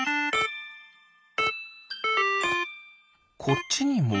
こっちにも。